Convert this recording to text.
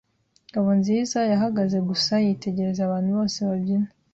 Ngabonziza yahagaze gusa yitegereza abantu bose babyina.